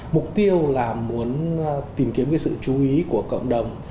mục tiêu là muốn tìm kiếm cái sự chú ý của cộng đồng